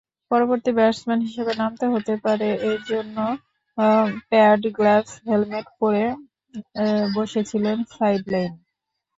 পরবর্তী ব্যাটসম্যান হিসেবে নামতে হতে পারে জন্য প্যাড-গ্লাভস-হেলমেট পরে বসেছিলেন সাইড লাইনে।